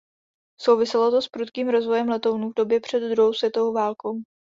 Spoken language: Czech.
Souviselo to s prudkým rozvojem letounů v době před druhou světovou válkou.